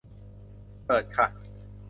เปิดค่ะ